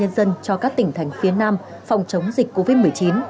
bộ công an nhân dân cho các tỉnh thành phía nam phòng chống dịch covid một mươi chín